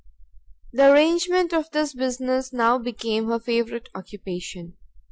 The arrangement of this business now became her favourite occupation.